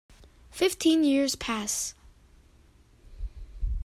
Fifteen years pass.